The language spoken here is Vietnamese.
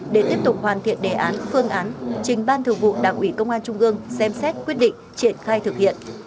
để tiếp tục hoàn thiện đề án phương án trình ban thường vụ đảng ủy công an trung ương xem xét quyết định triển khai thực hiện